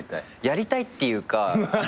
やりたいっていうか。